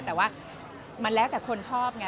แต่ว่ามันแล้วแต่คนชอบไง